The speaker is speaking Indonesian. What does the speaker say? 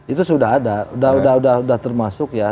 itu sudah ada sudah termasuk ya